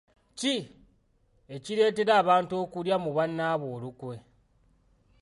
Ki ekireetera abantu okulya mu bannaabwe olukwe?